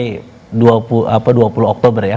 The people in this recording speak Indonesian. ini dua puluh oktober ya